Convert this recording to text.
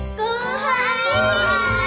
はい。